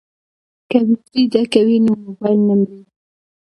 که بیټرۍ ډکه وي نو مبایل نه مري.